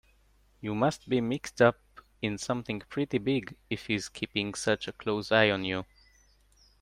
You must be mixed up in something pretty big if he's keeping such a close eye on you.